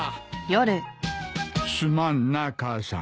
すまんな母さん。